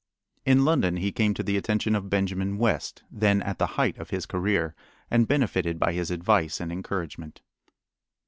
In London he came to the attention of Benjamin West, then at the height of his career, and benefited by his advice and encouragement.